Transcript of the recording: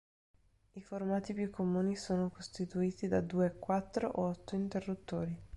I formati più comuni sono costituiti da due, quattro o otto interruttori.